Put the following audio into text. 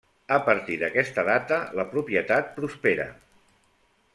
A partir d'aquesta data la propietat prospera.